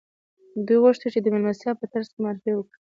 دوی غوښتل د دې مېلمستیا په ترڅ کې معرفي وکړي